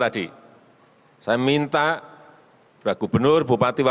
jadi saya minta pembaikan authorized